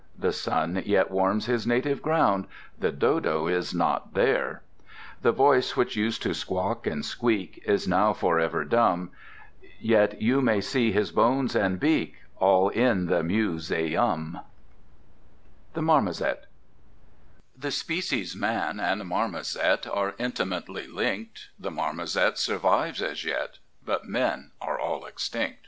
The sun yet warms his native ground The Dodo is not there! The voice which used to squawk and squeak Is now for ever dumb Yet may you see his bones and beak All in the Mu se um. The Marmozet The species Man and Marmozet Are intimately linked; The Marmozet survives as yet, But Men are all extinct.